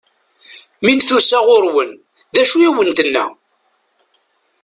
Mi n-tusa ɣur-wen, d acu i awen-tenna?